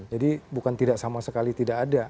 jadi bukan tidak sama sekali tidak ada